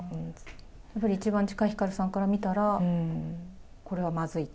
やっぱり一番近いひかるさんから見たら、これはまずいと？